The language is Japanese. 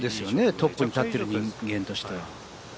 トップに立ってる人間としては。